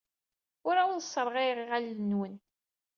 Ur awen-sserɣayeɣ lɣella-nwen.